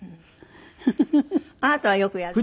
あなたはよくやるの？